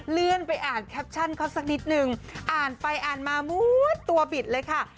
เลื่อนไปอ่านแคปชั่นเขาสักนิดนึงอ่านไปอ่านมาม้วนตัวบิดเลยค่ะ